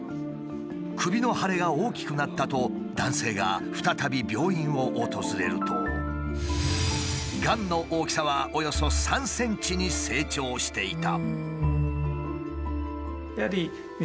首の腫れが大きくなったと男性が再び病院を訪れるとがんの大きさはおよそ３ｃｍに成長していた。